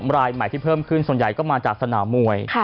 รายใหม่ที่เพิ่มขึ้นส่วนใหญ่ก็มาจากสนามมวย